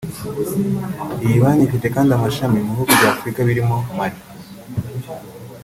Iyi banki ifite kandi amashami mu bihugu by’Afurika birimo Mali